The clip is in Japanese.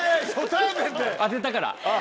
当てたから。